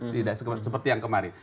tidak seperti yang kemarin